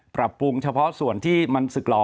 ปรับปรุงเฉพาะส่วนที่มันศึกหล่อ